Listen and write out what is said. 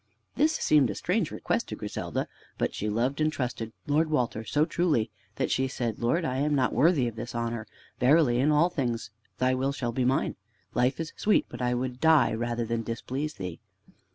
This seemed a strange request to Grisdda, but she loved and trusted Lord Walter so truly that she said: "Lord, I am not worthy of this honor. Verily in all things thy will shall be mine. Life is sweet, but I will die rather than displease thee."